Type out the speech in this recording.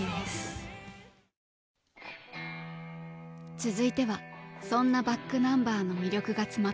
続いてはそんなｂａｃｋｎｕｍｂｅｒの魅力が詰まった